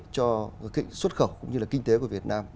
cho xuất khẩu cũng như là kinh tế của việt nam